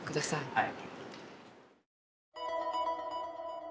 はい。